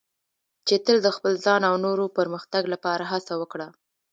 چې تل د خپل ځان او نورو پرمختګ لپاره هڅه وکړه.